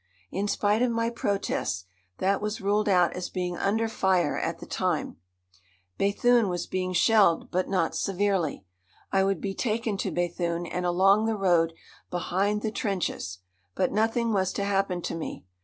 In spite of my protests, that was ruled out as being under fire at the time. Béthune was being shelled, but not severely. I would be taken to Béthune and along the road behind the trenches. But nothing was to happen to me.